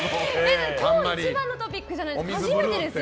今日一番のトピックじゃないですか？